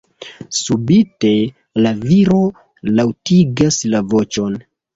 Subite, la viro laŭtigas la voĉon.